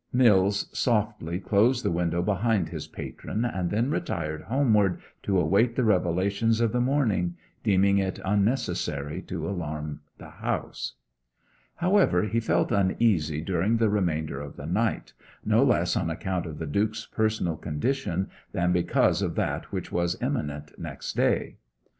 Mills softly closed the window behind his patron, and then retired homeward to await the revelations of the morning, deeming it unnecessary to alarm the house. However, he felt uneasy during the remainder of the night, no less on account of the Duke's personal condition than because of that which was imminent next day.